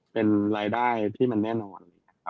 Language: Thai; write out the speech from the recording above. เป็นรายได้ที่มันแน่นอน